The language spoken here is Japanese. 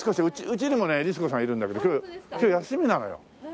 うちにもね律子さんいるんだけど今日休みなのよ。